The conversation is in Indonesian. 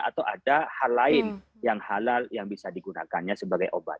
atau ada hal lain yang halal yang bisa digunakannya sebagai obat